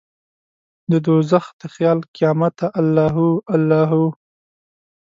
ددوږخ د خیال قیامته الله هو، الله هو